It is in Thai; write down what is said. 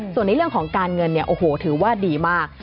ส่วนในเรื่องของการเงินถือว่าดีมาก